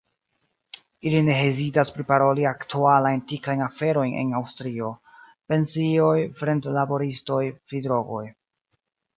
Ili ne hezitas priparoli aktualajn tiklajn aferojn en Aŭstrio: pensioj, fremdlaboristoj, fidrogoj.